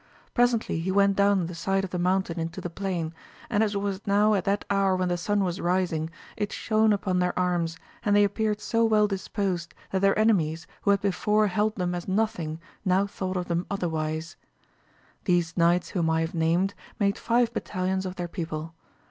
Presently he went down the side of the mountain into the plain, and as it was now at that hour when the sun was rising, it shone upon their arms, and they appeared so well disposed, that their enemies, who had before held them as nothing, now thought of them otherwise. These knights whom I have named, made five battalions of their people.